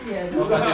saya kasih pengajian